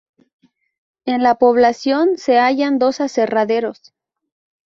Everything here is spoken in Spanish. En la población se hallan dos aserraderos.